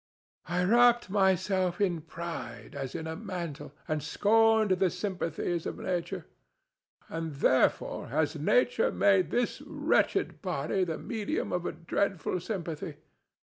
I wrapped myself in pride as in a mantle and scorned the sympathies of nature, and therefore has Nature made this wretched body the medium of a dreadful sympathy.